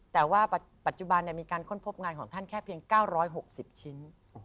แต่ว่าปัจจุบันมีการค้นพบงานของท่านแค่เพียง๙๖๐ชิ้น